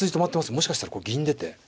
もしかしたらこう銀出て。